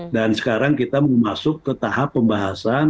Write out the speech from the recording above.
dan sekarang kita mau masuk ke tahap pembahasan tiga